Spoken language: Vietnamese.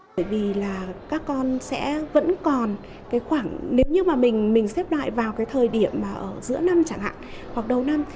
bởi vì là các con sẽ vẫn còn cái khoảng nếu như mà mình xếp loại vào cái thời điểm mà ở giữa năm chẳng hạn hoặc đầu năm